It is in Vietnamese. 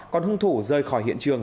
còn hung thủ rơi khỏi hiện trường